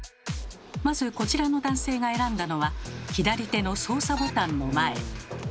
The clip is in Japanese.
まずこちらの男性が選んだのは左手の操作ボタンの前。